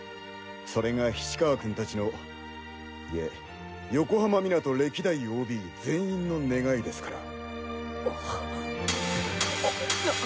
それが菱川君達のいえ横浜湊歴代ＯＢ全員の願いですから。